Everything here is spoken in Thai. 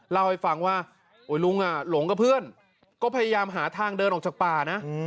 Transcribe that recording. เล่าให้ฟังว่าลุงหลงกับเพื่อนก็พยายามหาทางเดินออกจากป่านะ